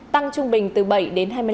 tăng trung bình từ bảy đến hai mươi năm